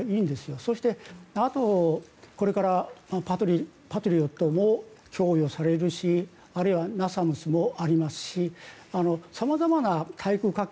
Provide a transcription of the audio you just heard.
そしてあとこれからパトリオットを供与されるし、あるいはＮＡＳＡＭＳもありますし様々な対空火器